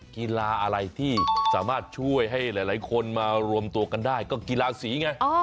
กีฬาอะไรที่สามารถช่วยให้หลายคนมารวมตัวกันได้ก็กีฬาสีไง